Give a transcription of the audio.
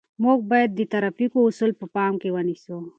موږ باید د ترافیکو اصول په پام کې ونیسو.